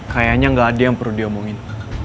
kayaknya nggak ada yang perlu diomongin